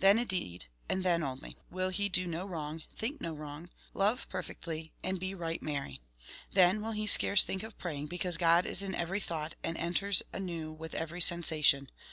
Then indeed, and then only, will he do no wrong, think no wrong, love perfectly, and be right merry. Then will he scarce think of praying, because God is in every thought and enters anew with every sensation.